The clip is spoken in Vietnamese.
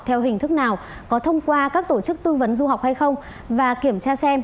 theo hình thức nào có thông qua các tổ chức tư vấn du học hay không và kiểm tra xem